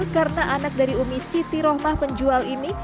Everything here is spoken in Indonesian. karena anak dari umi siti rohmah penjual ini